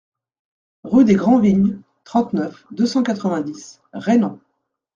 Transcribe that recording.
Rue des Grand Vignes, trente-neuf, deux cent quatre-vingt-dix Rainans